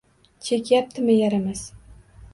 Chekyaptiyam, yaramas!